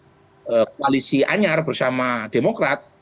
artinya ikut koalisi aniar bersama demokrat